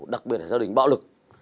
đặc biệt là giao đình bạo lực